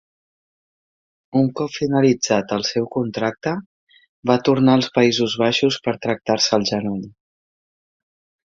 Un cop finalitzat el seu contracte, va tornar als Països Baixos per tractar-se el genoll.